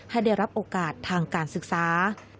ให้ได้รับโอกาสทางการศึกษา